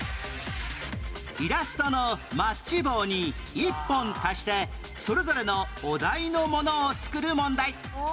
イラストのマッチ棒に１本足してそれぞれのお題のものを作る問題